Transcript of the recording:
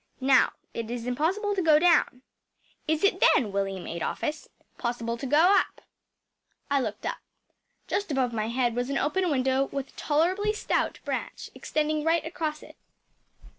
Now, it is impossible to go down. Is it, then, William Adolphus, possible to go up?‚ÄĚ I looked up. Just above my head was an open window with a tolerably stout branch extending right across it.